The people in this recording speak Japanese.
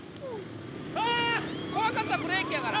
怖かったらブレーキやから。